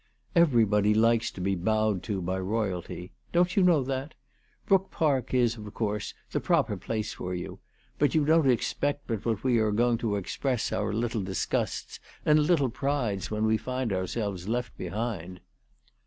Every body likes to be bowed to by royalty. Don't you know that ? Brook Park is, of course, the proper place for you ; but you don't expect but what we are going to express our little disgusts and little prides when we find ourselves left behind